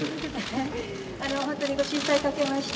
本当にご心配かけました。